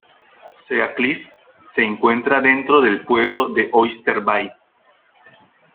Sea Cliff se encuentra dentro del pueblo de Oyster Bay.